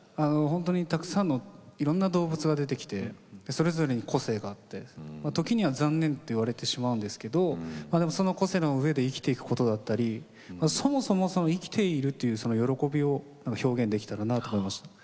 本当にたくさんのいろんな動物が出てきてそれぞれに個性があって時には残念って言われてしまうんですけどでも、その個性のうえで生きていくことだったりそもそも生きているっていう喜びを表現できたらなと思いました。